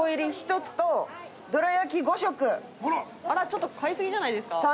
ちょっと買いすぎじゃないですか？